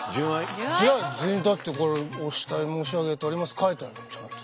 だってこれお慕い申し上げておりますって書いてあるちゃんと。